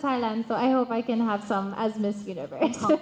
ฉันหวังว่าผมจะได้มีแมงโก้สแมนท์ที่บริเวณแวนดอร์